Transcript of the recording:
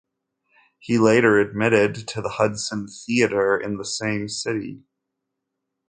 He later admitted to The Hudson Theater in the same city.